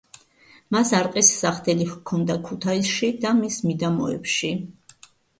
მას არყის სახდელი ჰქონდა ქუთაისში და მის მიდამოებში.